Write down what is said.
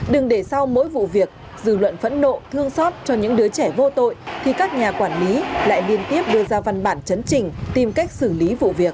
đừng để sau mỗi vụ việc dư luận phẫn nộ thương xót cho những đứa trẻ vô tội thì các nhà quản lý lại liên tiếp đưa ra văn bản chấn trình tìm cách xử lý vụ việc